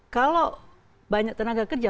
kalau banyak tenaga kerja